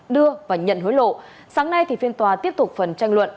đưa và nhận hối lộ sáng nay thì phiên tòa tiếp tục phần tranh luận